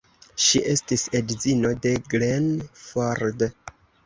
Ŝi estis edzino de Glenn Ford.